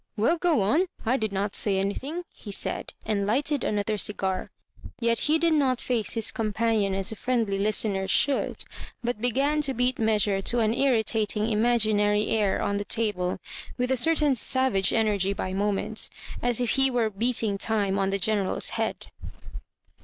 " Well? — go on. I did not say anything," be said, and lighted another cigar. Yet he did not face his companion as a friendly listener should, but began, to beat measure to an irritating imagi nary air on the table, with a certain savage ener gy by moments, as if he were beating time on the General's head.